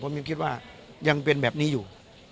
ผมยังคิดว่ายังเป็นแบบนี้อยู่